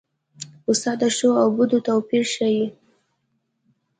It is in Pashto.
استاد د ښو او بدو توپیر ښيي.